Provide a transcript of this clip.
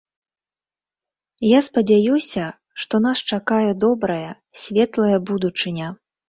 Я спадзяюся, што нас чакае добрая, светлая будучыня.